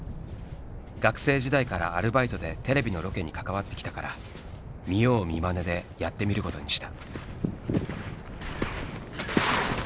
学生時代からアルバイトでテレビのロケに関わってきたから見よう見まねでやってみることにした。